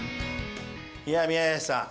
いや宮林さん